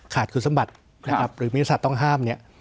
ขาดคุณสมบัตินะครับหรือวิทยาศาสตร์ต้องห้ามเนี่ย